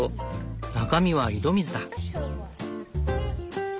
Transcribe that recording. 中身は井戸水だ。